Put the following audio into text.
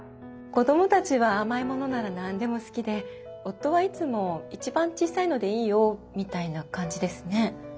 子供たちは甘いものなら何でも好きで夫はいつも「一番小さいのでいいよ」みたいな感じですね。